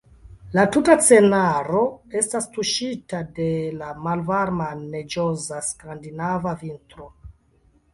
La tuta scenaro estas tuŝita de la malvarma neĝoza skandinava vintro.